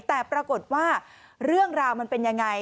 แต่ปรากฏว่าเรื่องราวมันเป็นยังไง